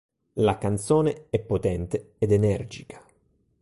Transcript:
La canzone è potente ed energica.